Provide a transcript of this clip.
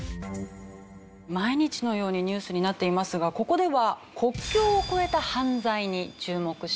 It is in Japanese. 毎日のようにニュースになっていますがここでは国境を越えた犯罪に注目してみます。